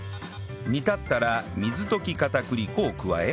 煮立ったら水溶き片栗粉を加え